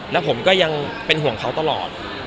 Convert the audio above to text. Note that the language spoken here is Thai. แล้วผมก็ยังเป็นห่วงเขาตลอด